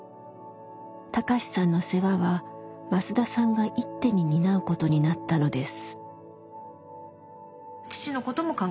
貴志さんの世話は増田さんが一手に担うことになったのです。